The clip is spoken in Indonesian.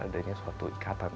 ada suatu ikatan